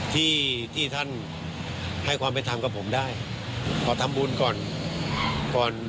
ที่ท่านให้ความผิดธรรมกับผมได้ขอทํบุญก่อน